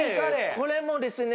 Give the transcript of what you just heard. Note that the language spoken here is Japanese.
これもですね